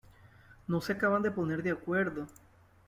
No se acaban de poner de acuerdo.